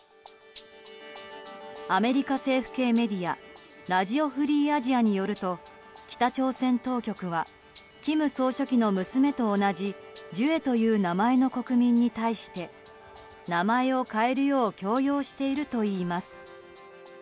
アメリカ政府系メディアラジオ・フリー・アジアによると北朝鮮当局は金総書記の娘と同じジュエという名前の国民に対して名前を変えるよう強要しているといいます。